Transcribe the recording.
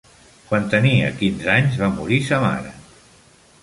Quan tenia quinze anys, va morir sa mare.